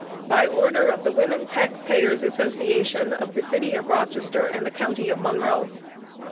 By order of "THE WOMEN TAX PAYERS' ASSOCIATION of the City of Rochester and County of Monroe."